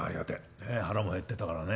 ねえ腹もへってたからね。